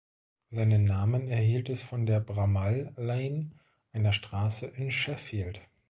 Seinen Namen erhielt es von der Bramall Lane, einer Straße in Sheffield.